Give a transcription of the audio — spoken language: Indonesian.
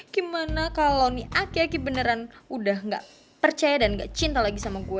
gimana kalo nih akyaki beneran udah gak percaya dan gak cinta lagi sama gue